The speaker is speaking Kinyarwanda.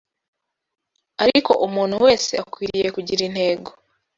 Ariko umuntu wese akwiriye kugira intego